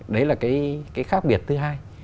đấy là cái khác biệt thứ hai